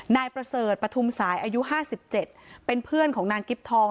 นายประเสริฐปธุมศัยอายุห้าสิบเจ็ดเป็นเพื่อนของนางกิ๊บทอง